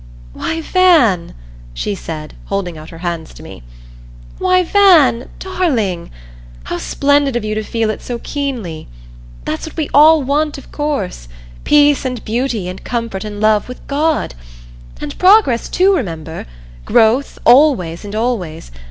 "Why, Van," she said, holding out her hands to me. "Why Van darling! How splendid of you to feel it so keenly. That's what we all want, of course Peace and Beauty, and Comfort and Love with God! And Progress too, remember; Growth, always and always.